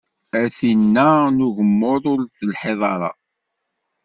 A tinn-a n ugemmaḍ, ur telhiḍ ara.